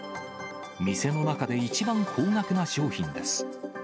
店の中で一番高額な商品です。